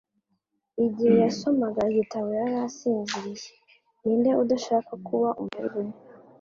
Igihe yasomaga igitabo, yarasinziriye. Ninde udashaka kuba umuherwe